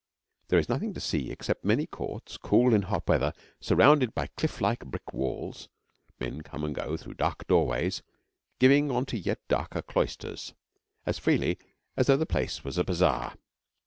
There is nothing to see except many courts, cool in hot weather, surrounded by cliff like brick walls. Men come and go through dark doorways, giving on to yet darker cloisters, as freely as though the place was a bazaar.